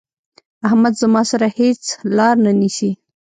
احمد زما سره هيڅ لار نه نيسي.